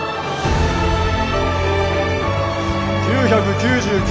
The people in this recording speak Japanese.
９９９。